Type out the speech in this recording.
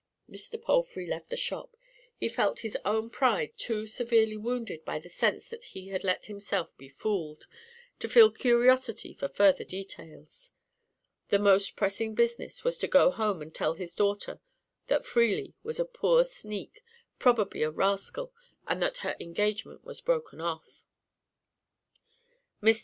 Mr. Palfrey left the shop; he felt his own pride too severely wounded by the sense that he had let himself be fooled, to feel curiosity for further details. The most pressing business was to go home and tell his daughter that Freely was a poor sneak, probably a rascal, and that her engagement was broken off. Mr.